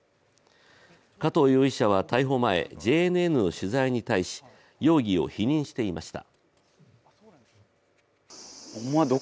加藤容疑者は逮捕前、ＪＮＮの取材に対し容疑を否認していました。